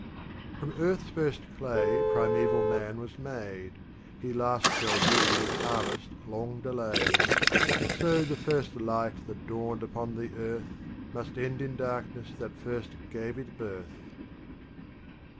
From earth s first clay primeval man was made. He last shall be with harvest long delayed. So the first light that dawned upon the earth Must end in darkness that first gave it birth.